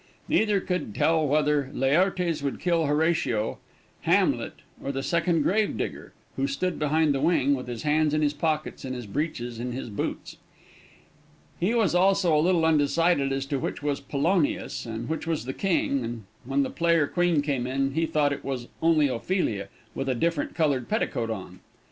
Neither could he tell whether Laertes would kill Horatio, Hamlet, or the Second Grave digger, who stood behind the wing, with his hands in his pockets, and his breeches in his boots. He was also a little undecided as to which was Polonius, and which was the king, and when the player queen came on, he thought it was only Ophelia, with a different colored petticoat on.